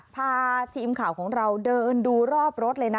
พาทีมข่าวของเราเดินดูรอบรถเลยนะ